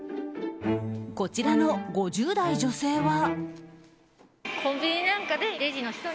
こちらの５０代女性は。